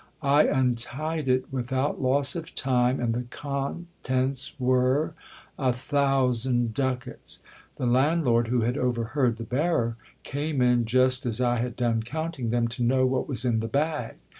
I untied it without loss of time, and the contents were ;— a thousand ducats ! The landlord who had overheard the bearer, came in just as I had done counting them, to know what was in the bag.